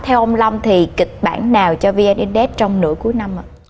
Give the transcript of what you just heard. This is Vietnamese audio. theo ông lâm thì kịch bản nào cho vnds trong nửa cuối năm